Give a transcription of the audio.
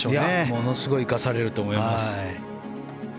ものすごい生かされると思います。